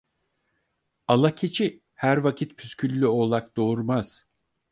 Ala keçi her vakit püsküllü oğlak doğurmaz.